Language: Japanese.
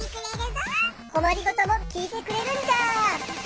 こまりごともきいてくれるんじゃ！